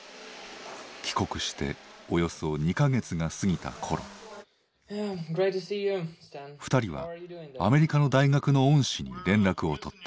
帰国しておよそ２か月が過ぎたころ２人はアメリカの大学の恩師に連絡を取った。